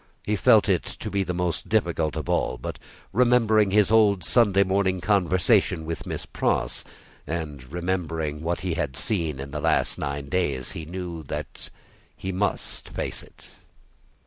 He felt it to be the most difficult of all; but, remembering his old Sunday morning conversation with Miss Pross, and remembering what he had seen in the last nine days, he knew that he must face it.